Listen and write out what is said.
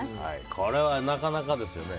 これは、なかなかですよね。